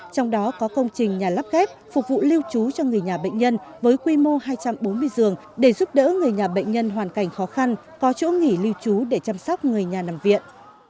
trong đó có công trình nhà lắp ghép phục vụ lưu trú cho người nhà bệnh nhân với quy mô hai trăm bốn mươi giường để giúp đỡ người nhà bệnh nhân hoàn cảnh khó khăn có chỗ nghỉ lưu trú để chăm sóc người nhà nằm viện